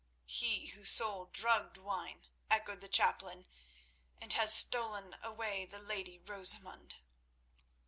"He who sold drugged wine," echoed the chaplain, "and has stolen away the lady Rosamund."